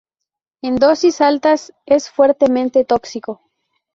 En dosis altas es fuertemente tóxico.